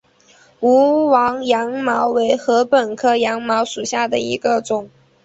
无芒羊茅为禾本科羊茅属下的一个种。